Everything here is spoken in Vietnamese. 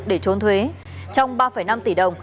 để trốn thuế trong ba năm tỷ đồng